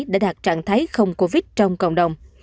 đã đạt trạng thái không covid trong cộng đồng